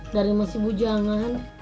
dari masih bujangan